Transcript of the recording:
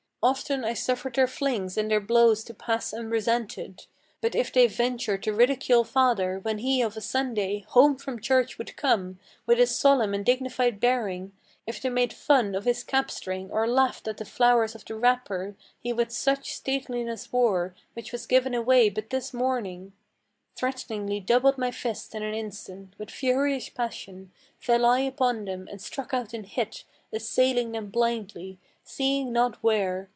Often I suffered their flings and their blows to pass unresented; But if they ventured to ridicule father, when he of a Sunday Home from Church would come, with his solemn and dignified bearing; If they made fun of his cap string, or laughed at the flowers of the wrapper He with such stateliness wore, which was given away but this morning, Threateningly doubled my fist in an instant; with furious passion Fell I upon them, and struck out and hit, assailing them blindly, Seeing not where.